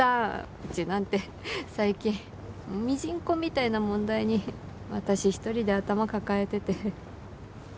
うちなんて最近ミジンコみたいな問題に私１人で頭、抱えてて。